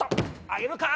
上げるか？